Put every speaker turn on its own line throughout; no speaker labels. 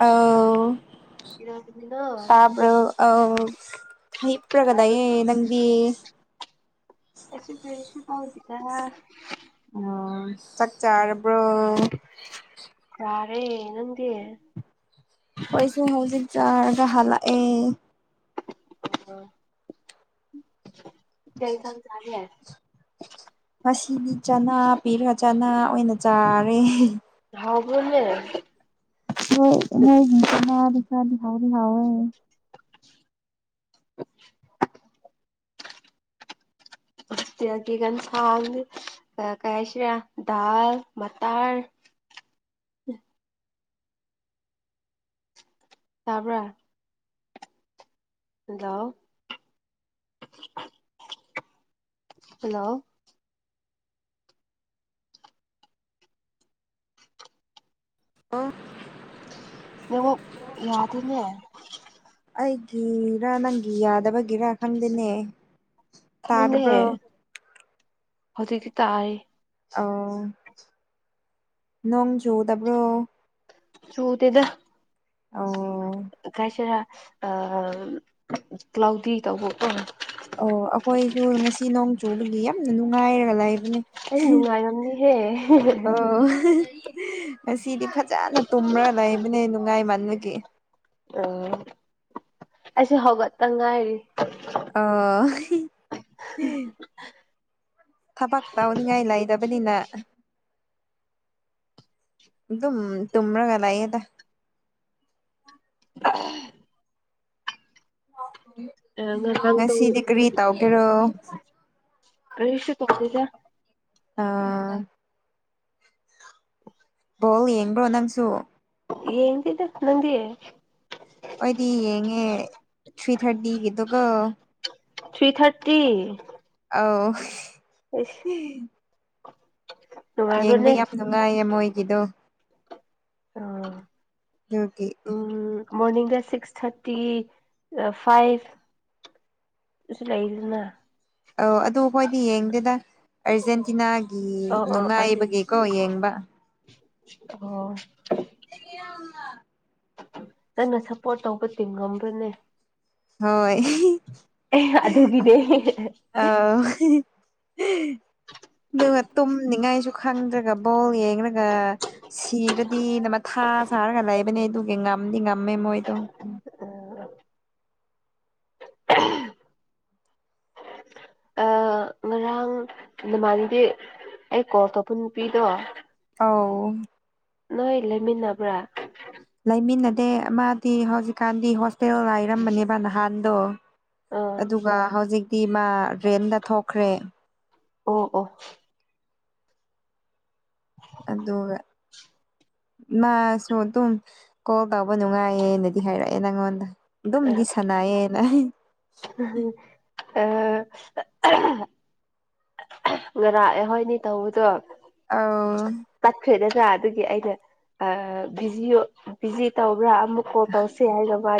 ꯑꯎ
ꯏ [unintelligible]
ꯇꯥꯕ꯭ꯔꯣ ꯑ
ꯑꯩ
ꯍꯕ꯭ꯔꯒꯗꯌꯦ ꯅꯪꯗꯤ
ꯍꯥꯎꯗ
ꯑꯣ ꯆꯥꯛ ꯆꯥꯔꯕ꯭ꯔꯣ
ꯌꯥꯔꯦ ꯅꯗꯤ
ꯑꯈꯣꯏꯁꯨ ꯍꯧꯖꯤꯛ ꯌꯥꯔꯒ ꯍꯂ ꯑꯦ
ꯑ ꯀꯩ ꯌꯦꯟꯁꯡ ꯆꯥꯒꯦ
ꯑꯁꯤꯅꯤ ꯆꯅꯥ ꯄꯤꯔ ꯆꯅꯥ ꯑꯣꯏꯅ ꯆꯥꯔꯦ
ꯍꯥꯎꯕꯨꯔꯦꯅꯦ
ꯥ ꯍꯥꯎ ꯍꯋꯦ [unintelligible]
[unintelligible] [inaudible] [unintelligible] [inaudible] ꯆꯤꯒꯟꯁꯥꯡ ꯀꯩ ꯍꯥꯏꯁꯤꯔꯦ ꯗꯥꯜ ꯃꯇꯇꯥꯔ ꯎ ꯇꯥꯕ꯭ꯔ ꯍꯜꯗꯣ ꯍꯜꯂꯣ
ꯑꯣ
ꯅꯕꯨ ꯌꯥꯗꯅꯦ
ꯒꯤꯤꯔꯥ ꯅꯪꯒꯤ ꯌꯥꯗꯕ ꯒꯤꯔꯥ ꯈꯪꯗꯦꯅꯦ ꯇꯥꯔꯕ꯭ꯔꯣ
ꯍꯧꯖꯤꯗꯒꯤ ꯇꯏ
ꯑꯣ ꯅꯣꯡ ꯆꯨꯗꯕꯔꯣ
ꯆꯨꯗꯤꯗ
ꯑꯣ
ꯀꯥꯏꯁꯤꯔꯥ ꯑ ꯀ꯭ꯂꯥꯎꯗꯤ ꯇꯧꯕ
ꯑꯣ ꯑꯩꯈꯣꯏꯁꯨ ꯉꯁꯤ ꯅꯣꯡ ꯆꯨꯕꯒꯤ ꯌꯥꯝꯅ ꯅꯨꯡꯉꯥꯏꯔ ꯂꯩꯕ
ꯑꯩ ꯅꯨꯡꯉꯥꯏꯔꯝꯅꯤꯍꯦ
ꯑꯣ ꯉꯁꯤꯗꯤ ꯐꯖꯅ ꯇꯨꯝꯔ ꯂꯩꯕꯅꯦ ꯅꯨꯡꯉꯥꯏꯃꯟꯕꯒꯤ
ꯑꯣ ꯑꯩꯁ ꯍꯒꯠꯇꯪ ꯉꯥꯏꯔꯤ
ꯑꯣ ꯊꯕꯛ ꯇꯧꯅꯤꯡꯉꯥꯏ ꯂꯩꯗꯕꯅꯤꯅ ꯇꯨ꯭ꯔꯒꯂꯌꯦꯗ
ꯉꯔꯥꯡ ꯇꯧ
ꯉꯁꯤꯗꯤ ꯀꯔꯤ ꯇꯧꯒꯦꯔꯣ
ꯀꯔꯤꯁ ꯄꯗꯗ
ꯑꯥ ꯕꯣ ꯌꯦꯡꯕ꯭ꯔꯣ ꯅꯪꯁꯨ
ꯌꯦ ꯇꯗ ꯅꯗꯤꯦ
ꯑꯩꯗꯤ ꯌꯦꯡꯉꯦ ꯊ꯭ꯔꯤ ꯊꯥꯔꯇꯤꯒꯤꯗꯨꯒ
ꯊ꯭ꯔꯤ ꯊꯥꯔꯇꯤ
ꯑꯥꯎ
ꯑꯩꯁ
ꯌꯦꯡꯕ
ꯅꯨꯡꯉꯥꯏꯕ꯭ꯔꯅꯦ
ꯌꯥꯝ
ꯑꯥ
ꯅꯨꯡꯉꯥꯏꯌꯦ ꯃꯣꯏꯒꯤꯗꯣ
ꯑꯥ
ꯀꯦ [unintelligible] [inaudible]
ꯃꯣꯔꯅꯤꯡꯗ ꯁꯤꯛꯁ ꯊꯥꯔꯇꯤ ꯐꯥꯏꯚ ꯁꯤ ꯂꯩꯗꯗꯅ
ꯑ ꯑꯗꯨ ꯍꯣꯏꯗꯤ ꯌꯦꯡꯗꯦꯗ ꯑꯔꯖꯦꯟꯇꯤꯅꯥꯒꯤ
ꯑꯣ ꯑꯣ ꯑꯥꯔꯖꯦꯟꯇꯤꯅꯥ
ꯅꯨꯡꯉꯥꯏꯕꯒꯤꯀꯣ ꯌꯦꯡꯕ
ꯑꯣ
[unintelligible] [inaudible]
ꯅꯪꯅ ꯁꯞꯄꯣꯔꯠ ꯇꯧꯕ ꯇꯤꯝ ꯉꯝꯕ꯭ꯔꯅꯦ
ꯍꯣꯏ
ꯑꯦ ꯑꯗꯨꯒꯤꯗꯤ
ꯑꯧ ꯑꯗꯨꯒ ꯇꯨꯝꯅꯤꯡꯉꯥꯏꯁꯨ ꯈꯪꯗ꯭ꯔꯒ ꯕꯣꯜ ꯌꯥꯏ ꯈꯒ ꯁꯤꯔꯗꯤ ꯅ ꯃꯊꯥ ꯁꯥꯔꯒ ꯂꯩꯕꯅꯦ ꯑꯗꯨꯒꯤ ꯉꯝꯗꯤ ꯉꯝꯃꯦ ꯃꯣꯏꯗꯣ
ꯎꯝ [unintelligible] [inaudible] ꯅꯃꯅꯤꯗꯤ ꯑꯩ ꯀꯣꯜ ꯇꯧꯕ ꯅꯨꯄꯤꯗꯣ
ꯑ
ꯅꯣꯏ ꯂꯩꯃꯤꯟꯅꯕ꯭ꯔꯥ
ꯂꯩꯃꯤꯟꯅꯗꯦ ꯑꯃꯗꯤ ꯍꯧꯖꯤꯛꯀꯥꯟꯗꯤ ꯍꯣꯁꯇꯦꯜ ꯂꯥꯏꯔꯝꯕꯅꯦꯕ ꯅꯍꯥꯟꯗꯣ ꯑꯗꯨꯒ ꯍꯧꯖꯤꯛꯇꯤ ꯃꯥ ꯔꯦꯟꯗ ꯊꯣꯛꯈ꯭ꯔꯦ
ꯑꯣ ꯑꯣ
ꯑꯗꯣꯒ
[unintelligible] [inaudible]
ꯃꯥꯁꯨ ꯑꯗꯨꯝ ꯀꯣꯜ ꯇꯧꯕ ꯅꯨꯡꯉꯥꯏꯌꯦꯅꯗꯤ ꯍꯥꯏꯔꯛꯑꯦ ꯅꯪꯉꯣꯟꯗ ꯑꯗꯨꯝꯗꯤ
ꯑꯥ
ꯁꯅꯥꯌꯦꯅ
ꯑ [unintelligible] [inaudible] ꯉꯔꯥꯛꯑ ꯍꯣꯏꯅꯦ ꯇꯧꯕꯗꯣ
ꯑꯥ
ꯈ꯭ꯔꯥ ꯑꯗꯨꯒꯤ ꯑꯩꯅ ꯕꯤꯖꯤ ꯕꯤꯖꯤ ꯇꯧꯕ꯭ꯔꯥ ꯑꯃꯨꯛ ꯀꯣꯜ ꯇꯧꯁꯦ ꯍꯥꯏꯔ ꯃꯥ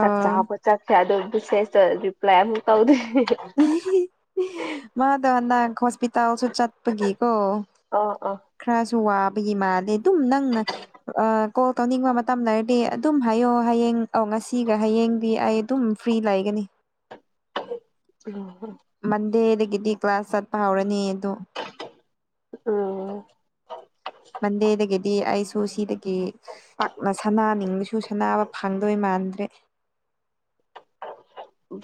ꯆꯥꯛ ꯆꯥꯕꯠ ꯆꯠꯀꯦ ꯑꯗꯣ ꯕꯤꯁꯦꯁꯇ ꯔꯤꯄ꯭ꯂꯥꯏ ꯑꯃꯨꯛ ꯇꯧꯗꯣꯏ
ꯃꯥꯗ ꯅꯪ ꯍꯣꯁꯄꯤꯇꯥꯜ ꯏ ꯇꯥꯎꯁꯨ ꯆꯠꯄꯒꯤꯀꯣ
ꯑꯣ ꯑꯣ
ꯈꯔꯁꯨ ꯋꯥꯕꯒꯤ ꯃꯥꯗꯦ ꯑꯗꯨꯝ ꯅꯪꯅ ꯑ ꯀꯣꯜ ꯇꯧꯅꯤꯡꯕ ꯃꯇꯝ ꯂꯩꯔꯗꯤ ꯑꯗꯨꯝ ꯍꯥꯏꯌꯣ ꯍꯌꯦꯡ ꯑꯧ ꯉꯁꯤꯒ ꯍꯌꯦꯡꯗꯤ ꯑꯩ ꯑꯗꯨꯝ ꯐ꯭ꯔꯤ ꯂꯩꯒꯅꯤ
ꯑ [unintelligible] [inaudible]
ꯒꯤꯗꯤ ꯀ꯭ꯂꯥꯁ ꯆꯠꯄ ꯍꯧꯔꯅꯤ ꯑꯗꯨ
ꯎꯝ
ꯃꯗꯦꯗꯒꯦꯗꯤꯁ ꯑꯗꯨ ꯁꯤꯗꯒꯤ ꯄꯥꯛꯅ ꯁꯅꯥꯅꯤꯡꯕꯁꯨ ꯁꯅꯕ ꯐꯪꯗꯣꯏ ꯃꯥꯟꯗ꯭ꯔꯦ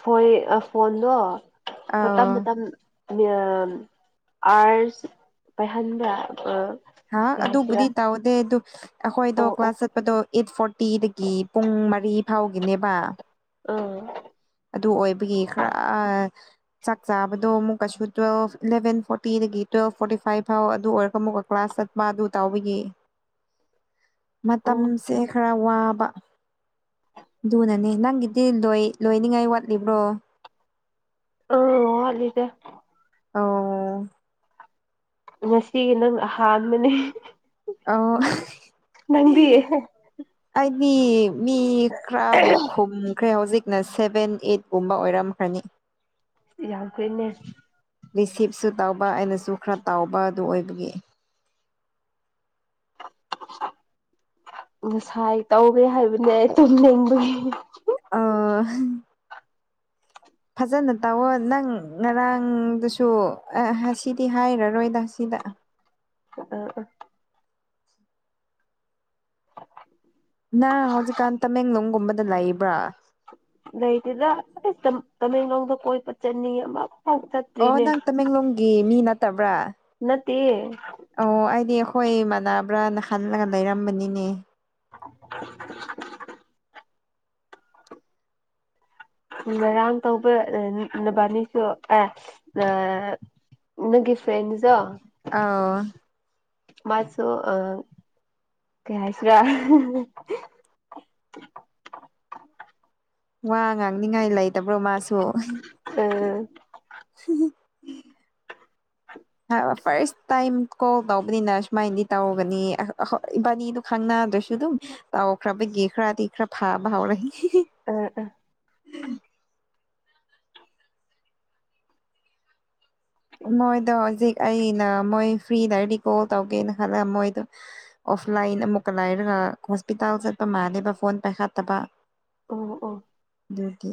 ꯐꯣꯏ ꯐꯣꯟꯗꯣ ꯃꯇꯝ
ꯑꯥ
ꯃꯇꯝ ꯑꯥꯔꯁ ꯄꯥꯏꯍꯟꯕ꯭ꯔ
ꯍꯥ ꯑꯗꯨ ꯔꯤ ꯇꯥꯎꯗꯦ ꯑꯗꯨ ꯑꯩꯈꯣꯏꯗꯣ
ꯑꯣ ꯑꯣ
ꯀ꯭ꯂꯥꯁ ꯆꯠꯄꯗꯣ ꯑꯩꯠ ꯐꯣꯔꯇꯤꯗꯒꯤ ꯄꯨꯡ ꯃꯔꯤ ꯐꯥꯎꯒꯤꯅꯦꯕ
ꯑ
ꯑꯗꯨ ꯑꯣꯏꯕꯒꯤ ꯈꯔ ꯆꯥꯛ ꯆꯥꯕꯗꯣ ꯑꯃꯨꯛꯀꯩꯁꯨ ꯇꯨꯋꯦꯜ ꯏꯂꯚ ꯐꯣꯔꯇꯤꯗꯒꯤ ꯇꯨꯋꯦꯜꯐ ꯐꯣꯔꯇꯤ ꯐꯥꯏꯚ ꯐꯥꯎ ꯑꯗꯨ ꯑꯣꯏꯔꯒ ꯑꯃꯨꯛꯀ ꯀ꯭ꯂꯥꯁ ꯁꯠꯃꯥꯗꯨ ꯇꯥꯎꯕꯒꯤ
[unintelligible] [inaudible]
ꯃꯇꯝꯁꯦ ꯈꯔ ꯋꯥꯕ ꯑꯗꯨꯅꯅꯦ ꯅꯪꯒꯤꯗꯤ ꯂꯣꯏꯅꯤꯡꯉꯥꯏ ꯋꯥꯠꯂꯤꯕ꯭ꯔꯣ
ꯑꯣ ꯋꯥꯠꯂꯤꯗ
ꯑꯣ
ꯉꯁꯤ ꯅꯪ ꯑꯍꯥꯟꯕꯅꯦ
ꯑꯣ
ꯅꯪꯗꯤꯌꯦ
ꯃꯤ ꯃꯤꯈ꯭ꯔꯥꯕꯈꯣꯨꯝꯈ꯭ꯔ ꯑꯣꯖꯦ ꯅ ꯁꯚꯦꯟ ꯑꯩꯠꯀꯨꯝꯕ ꯑꯣꯏꯔꯝꯈ꯭ꯔꯅꯤ
ꯌꯥꯝ ꯀꯨꯏꯅꯦ
ꯔꯤꯁꯤꯞꯁꯨ ꯇꯧꯕ ꯑꯩꯅꯁꯨ ꯈꯔ ꯇꯥꯎꯕ ꯑꯗꯨ ꯑꯣꯏꯕꯒꯤ
[unintelligible] ꯉꯁꯥꯏ ꯇꯧꯒꯦ ꯍꯥꯏꯕꯅꯦ ꯑꯩ ꯇꯨꯝꯅꯤꯡꯕꯅꯤ
ꯑ ꯐꯖꯅ ꯇꯧꯑꯣꯣ ꯅꯪ ꯉꯔꯥꯡꯗꯨꯁꯨ ꯁꯤꯗꯤ ꯍꯥꯏꯔꯔꯣꯏꯗ ꯁꯤ ꯗ
ꯑꯥ ꯑꯥ [unintelligible]
ꯅ ꯍꯧꯖꯤꯛꯀꯥꯟ ꯇꯃꯦꯡꯂꯣꯡꯒꯨꯝꯕꯗ ꯂꯩꯕ꯭ꯔꯥ
ꯂꯩ ꯇꯗ ꯇꯃꯦꯡꯂꯣꯡꯗ ꯀꯣꯏ ꯄꯆꯟꯅꯤ ꯑꯃ ꯐꯥꯎ
ꯑꯣ
ꯆꯠꯇ꯭ꯔꯤꯅꯦ
ꯅꯪ ꯇꯃꯦꯡꯂꯣꯡꯒꯤ ꯃꯤ ꯅꯠꯇꯕ꯭ꯔꯥ
ꯇ
ꯑꯣ ꯑꯩꯗꯤ ꯑꯩꯈꯣꯏ ꯏꯃꯥꯟꯅꯕ꯭ꯔꯅ ꯈꯜꯂꯒ ꯂꯩꯔꯝꯕꯅꯤꯅꯦ
[unintelligible] ꯉꯔꯥꯡ ꯇꯧꯕ ꯅꯕꯥꯅꯤꯁꯨ ꯑꯦ ꯅꯪꯒꯤ ꯐ꯭ꯔꯦꯟꯁ
ꯑ
ꯃꯥꯁꯨꯣ ꯑ ꯀꯩ ꯍꯥꯏꯥꯏꯁꯨ ꯔ [unintelligible]
ꯋꯥ ꯉꯥꯡꯅꯤꯉꯥꯏ ꯂꯩꯇꯕ꯭ꯔꯣ ꯃꯥꯁꯨ
ꯑ
ꯎ
ꯑ
ꯐꯥꯔꯁ ꯇꯥꯏꯝ ꯀꯣꯜ ꯇꯧꯕꯅꯤꯅ ꯁꯨꯃꯥꯏꯅꯗꯤ ꯇꯧꯔꯒꯅꯤ ꯏꯕꯥꯅꯤꯗꯨ ꯈꯪꯅꯗ꯭ꯔꯦ ꯁꯗ ꯑꯣꯈꯔ ꯦꯈꯔꯥ ꯇꯈꯔ ꯐꯥꯎꯕꯥꯎꯔ
ꯑ ꯎꯝ
ꯃꯣꯏꯗꯣ ꯍꯧꯖꯤꯛ ꯑꯩꯅ ꯃꯣꯏ ꯐ꯭ꯔꯤ ꯂꯗꯤ ꯀꯣꯜ ꯇꯧꯒꯦꯅ ꯈꯜꯂ ꯃꯣꯏꯗꯣ ꯑꯣꯐꯂꯥꯏꯟ ꯑꯃꯨꯛꯀ ꯂꯥꯏꯔꯒ ꯍꯣꯁꯄꯤꯇꯥꯜ ꯆꯠꯄ ꯃꯥꯜꯂꯦꯕ ꯐꯣꯟ ꯄꯥꯏꯈꯠꯇꯕ
ꯑꯣ ꯑꯣ
ꯑꯗꯨꯗꯒꯤ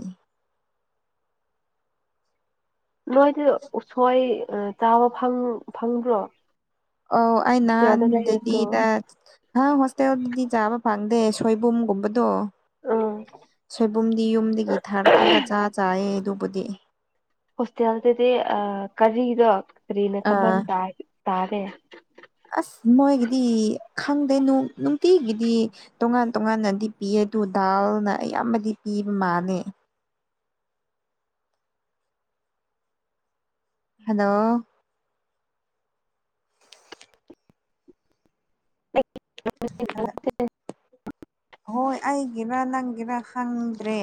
ꯅꯣꯏꯗꯤ ꯎꯁꯣꯏ ꯆꯥꯕ ꯐꯪꯕ꯭ꯔꯣ
ꯑ ꯑꯩ ꯅꯍꯥꯟ
ꯍꯣꯁꯇꯦꯜꯗ ꯂꯩꯔꯁꯨ
ꯑꯗꯨꯗꯤꯗ ꯍꯣꯁꯇꯦꯜꯗꯤ ꯆꯥꯕ ꯐꯪꯗ ꯑ ꯁꯣꯏꯕꯨꯝꯒꯨꯝꯕꯗꯣ
ꯎꯝ
ꯁꯣꯏꯕꯨꯝꯗꯤ ꯌꯨꯝꯗꯒꯤ ꯊꯥꯔꯛꯑꯒ ꯆꯥ ꯆꯥꯌꯦ ꯑꯗꯨꯕꯨꯗꯤ
ꯍꯣꯁꯇꯦꯜꯗꯗꯤ ꯀꯔꯤꯗꯣ ꯀꯔꯤꯅ ꯀꯝꯍ
ꯑꯥ
ꯇꯥꯔꯦ
ꯑꯁ ꯃꯣꯏꯒꯤꯗꯤ ꯈꯪꯗꯣꯏꯅꯨꯡ ꯅꯨꯡꯇꯤꯒꯤꯗꯤ ꯇꯣꯉꯥꯟ ꯇꯣꯉꯥꯟꯅꯗꯤ ꯄꯤ ꯑꯗꯨ ꯗꯥꯜꯅ ꯑꯌꯥꯝꯕꯗꯤ ꯄꯤꯕ ꯃꯥꯅꯦ ꯍꯜꯂꯣ
[unintelligible]
ꯍꯣꯏ ꯑꯩꯒꯤꯔꯥ ꯅꯪꯒꯤꯔꯥ ꯈꯪꯗ꯭ꯔꯦ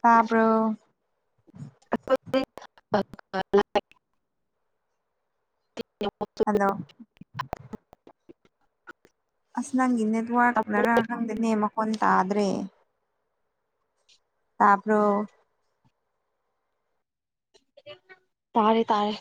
ꯁꯥꯥꯕ꯭ꯔꯣ
[unintelligible]
ꯍꯜꯂꯣ ꯑꯁ ꯅꯪꯒꯤ ꯅꯦꯠꯋꯥꯔꯛ ꯃꯔꯔ ꯈꯪꯗꯅꯦ ꯃꯈꯣꯟ ꯇꯥꯗ꯭ꯔꯦ ꯇꯄ꯭ꯔꯣ
ꯇꯥꯔꯦ ꯇꯥꯔꯦ